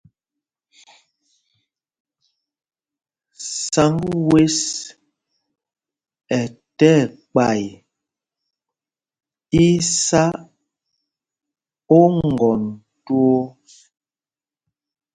Sǎŋg wɛ̄ ɛ tí ɛkpay, í í sá oŋgɔn twoo.